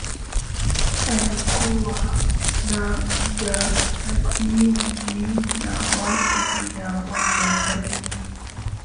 alikuwa na jahazi nne na watu mia moja sabini